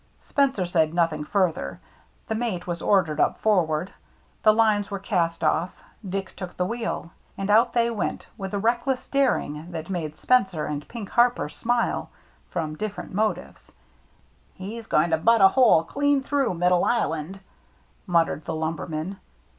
Spencer said nothing further. The mate was ordered up forward ; the lines were cast off; Dick took the wheel. And out they went, with a reckless daring that made Spencer and Pink Harper smile from different motives. "He's going to butt a hole clean through Middle Island," muttered the lumberman.